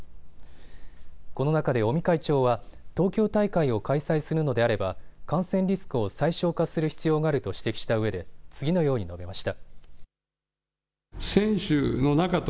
この中で尾身会長は東京大会を開催するのであれば感染リスクを最小化する必要があると指摘したうえで次のように述べました。